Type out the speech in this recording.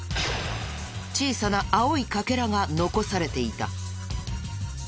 小さな青い欠片が残されていた。